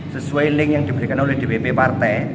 sesuai link yang diberikan oleh dpp partai